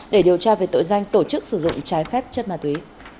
để điều tra về tội danh tổ chức sử dụng trái phép chất ma túy